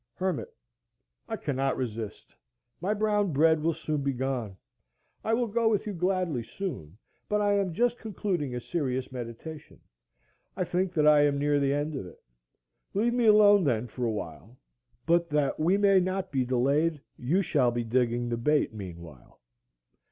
Hermit. I cannot resist. My brown bread will soon be gone. I will go with you gladly soon, but I am just concluding a serious meditation. I think that I am near the end of it. Leave me alone, then, for a while. But that we may not be delayed, you shall be digging the bait meanwhile.